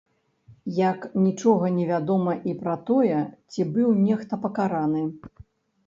Як нічога не вядома і пра тое, ці быў нехта пакараны.